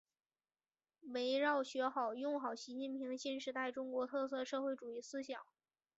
围绕学好、用好习近平新时代中国特色社会主义思想